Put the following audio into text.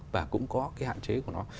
và cũng có cái hạn chế của nó